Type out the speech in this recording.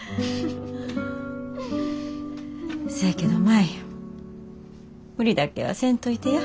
せやけど舞無理だけはせんといてや。